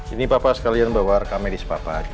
ini papa sekalian bawa rekam medis papa